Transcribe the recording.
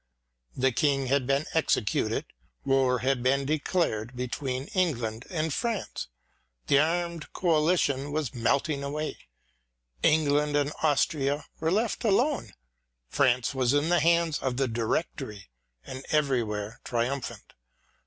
The King had been executed, war had been declared between England and France, the Armed Coalition was melting away, England and Austria were left alone. France was in the hands of the Directory and everywhere triumphant.